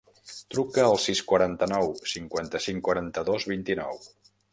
Truca al sis, quaranta-nou, cinquanta-cinc, quaranta-dos, vint-i-nou.